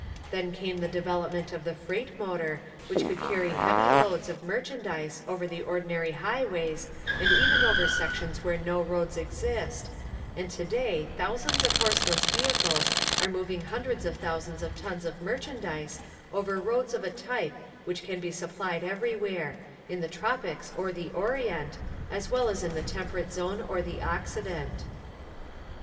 Then came the development of the freight motor, which would carry heavy loads of merchandise over the ordinary highways and even over sections where no roads exist, and today thousands of horseless vehicles are mov ing hundreds of thousands of tons of merchandise over roads of a type which can be supplied everywhere, in the tropics or the orient, as well as in the temperate zone or the Occident.